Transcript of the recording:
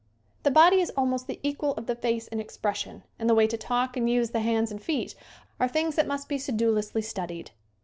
The body is al most the equal of the face in expression and the way to talk and use the hands and feet are things that must be sedulously studied.